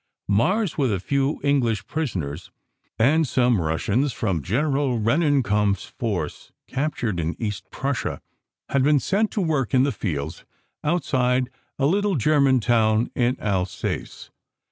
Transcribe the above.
Mars, with a few English prisoners, and some Russians from General Rennenkampf s force captured in East Prussia, had been sent to work in the fields outside a little German town in Alsace.